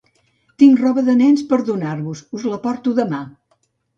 Tinc roba de nens per donar-vos, us la porto demà.